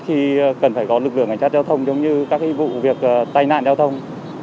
thì cần phải có lực lượng cảnh sát giao thông giống như các vụ việc tai nạn giao thông